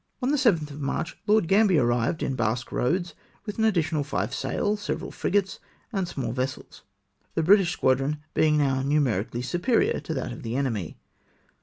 On the 7 th of March Lord Gambler arrived in Basque Eoads with an additional five sail, several frigates and small vessels, the British squadron being now numeri cally superior to that of the enemy.